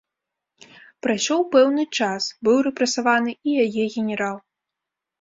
Прайшоў пэўны час, быў рэпрэсаваны і яе генерал.